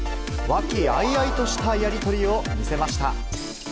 和気あいあいとしたやり取りを見せました。